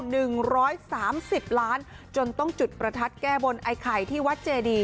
หนึ่งร้อยสามสิบล้านจนต้องจุดประทัดแก้บนไอ้ไข่ที่วัดเจดี